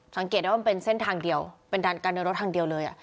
สังเกตได้ว่ามันเป็นเส้นทางเดียวเป็นดันการเดินรถทางเดียวเลย